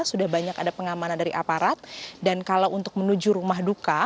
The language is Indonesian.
sudah banyak ada pengamanan dari aparat dan kalau untuk menuju rumah duka